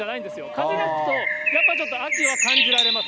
風が吹くと、やっぱちょっと秋を感じられます。